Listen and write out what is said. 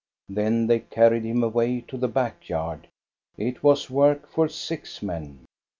Then they carried him away to the back yard. It was work for six men.